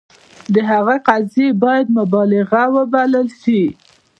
د هغه قضیې باید مبالغه وبلل شي.